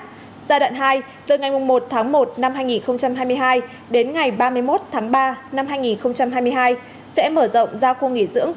giai đoạn hai từ ngày một tháng một năm hai nghìn hai mươi hai đến ngày ba mươi một tháng ba năm hai nghìn hai mươi hai sẽ mở rộng ra khu nghỉ dưỡng